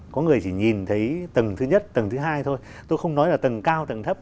có người chỉ nhìn thấy tầng thứ nhất tầng thứ hai thôi tôi không nói là tầng cao tầng thấp